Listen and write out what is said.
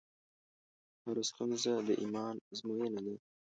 هره ستونزه د ایمان ازموینه ده.